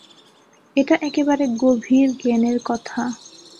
এটা একেবারে গভীর জ্ঞানের কথা।